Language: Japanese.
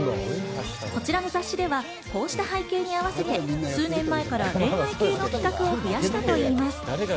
こちらの雑誌ではこうした背景に合わせて数年前から恋愛系の企画を増やしたといいます。